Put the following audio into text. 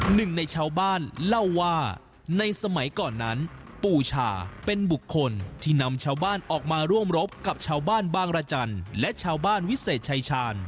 หนึ่งในชาวบ้านเล่าว่าในสมัยก่อนนั้นปู่ชาเป็นบุคคลที่นำชาวบ้านออกมาร่วมรบกับชาวบ้านบางรจันทร์และชาวบ้านวิเศษชายชาญ